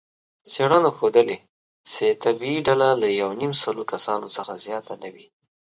څېړنو ښودلې، چې طبیعي ډله له یونیمسلو کسانو څخه زیاته نه وي.